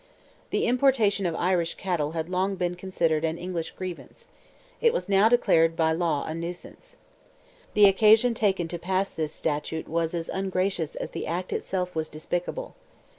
The importation of Irish cattle had long been considered an English grievance, it was now declared by law "a nuisance." The occasion taken to pass this statute was as ungracious as the act itself was despicable.